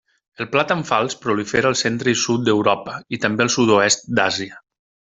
El plàtan fals prolifera al centre i sud d'Europa, i també al sud-oest d'Àsia.